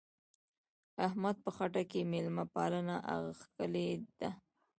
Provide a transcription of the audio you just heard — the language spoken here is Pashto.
احمد په خټه کې مېلمه پالنه اخښلې ده.